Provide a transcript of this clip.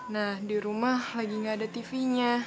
nah dirumah lagi gak ada tvnya